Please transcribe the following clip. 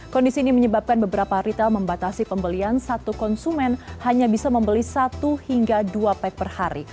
kondisi ini menyebabkan beberapa retail membatasi pembelian satu konsumen hanya bisa membeli satu hingga dua pack per hari